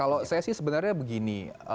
kalau saya sih sebenarnya begini